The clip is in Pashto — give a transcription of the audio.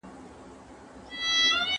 ¬ شرم ئې کوت، بېخ ئې خوت.